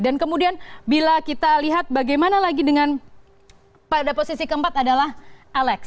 dan kemudian bila kita lihat bagaimana lagi dengan pada posisi keempat adalah alex